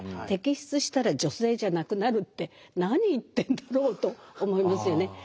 「摘出したら女性じゃなくなる」って何言ってんだろうと思いますよね。